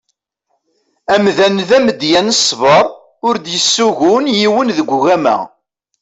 Amdan d amedya n ṣsber ur d-yessugun yiwen deg ugama.